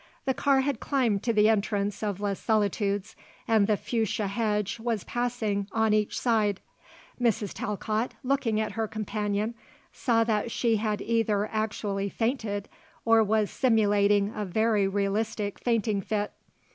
The car had climbed to the entrance of Les Solitudes and the fuchsia hedge was passing on each side. Mrs. Talcott, looking at her companion, saw that she had either actually fainted or was simulating a very realistic fainting fit.